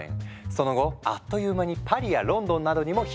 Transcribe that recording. その後あっという間にパリやロンドンなどにも広がっていった。